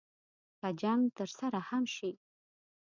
که جنګ ترسره هم شي.